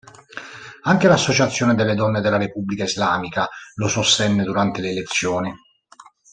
Anche l'Associazione delle Donne della Repubblica Islamica lo sostenne durante le elezioni.